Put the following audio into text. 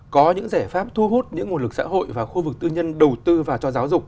có những giải pháp thu hút những nguồn lực xã hội và khu vực tư nhân đầu tư vào cho giáo dục